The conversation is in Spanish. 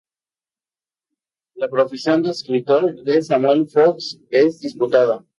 La profesión de escritor de Samuel Foxe es disputada.